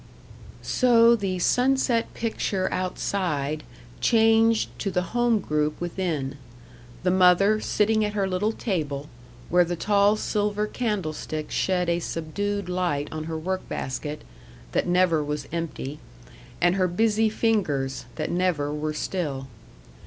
So the sunset picture outside changed to the home group within; the mother sitting at her little table, where the tall silver candlestick shed a subdued light on her work basket, that never was empty, and her busy fingers, that never were still.